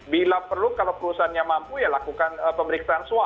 bila perlu kalau perusahaannya mampu ya lakukan pemeriksaan swab